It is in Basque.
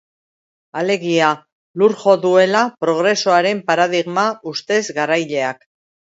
Alegia, lur jo duela Progresoaren paradigma ustez garaileak.